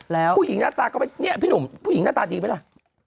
แล้วผู้หญิงหน้าตาก็เป็นเนี่ยพี่หนุ่มผู้หญิงหน้าตาดีไหมล่ะ